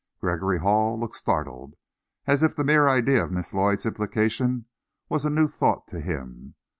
Gregory Hall looked startled, as if the mere idea of Miss Lloyd's implication was a new thought to him.